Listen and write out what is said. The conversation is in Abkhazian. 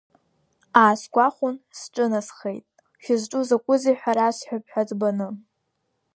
Аасгәахәын, сҿынасхеит, шәызҿу закәызеи ҳәа расҳәап ҳәа ӡбаны.